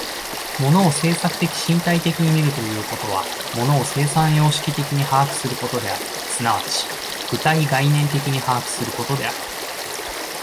物を制作的身体的に見るということは、物を生産様式的に把握することである、即ち具体概念的に把握することである。